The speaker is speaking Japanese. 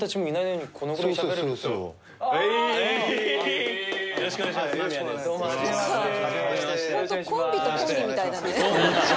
よろしくお願いします。